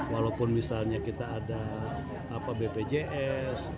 walaupun misalnya kita ada bpjs